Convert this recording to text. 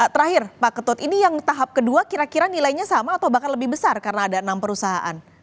terakhir pak ketut ini yang tahap kedua kira kira nilainya sama atau bahkan lebih besar karena ada enam perusahaan